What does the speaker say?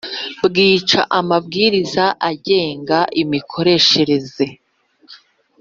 bwica amabwiriza agenga imikoreshereze